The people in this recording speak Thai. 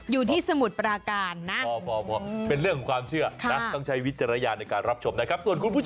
สมุทรปราการนะเป็นเรื่องของความเชื่อนะต้องใช้วิจารณญาณในการรับชมนะครับ